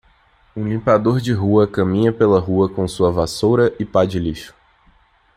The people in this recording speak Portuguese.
Um limpador de rua caminha pela rua com sua vassoura e pá de lixo.